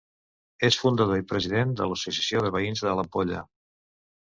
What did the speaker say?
És fundador i president de l'associació de veïns de l'Ampolla.